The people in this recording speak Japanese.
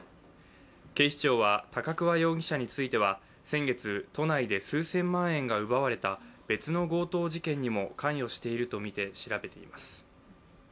警視庁は、高桑容疑者については先月、都内で数千万円が奪われた別の強盗事件にも関与しているとみて調べています。